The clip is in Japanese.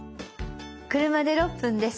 車で６分です。